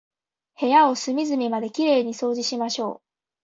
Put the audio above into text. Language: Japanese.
部屋を隅々まで綺麗に掃除しましょう。